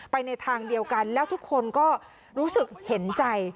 ในทางเดียวกันแล้วทุกคนก็รู้สึกเห็นใจ